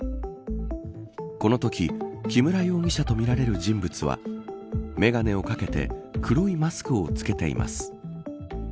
このとき木村容疑者とみられる人物は眼鏡をかけて黒いマスクを着けています。